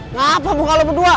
ngapain muka lo berdua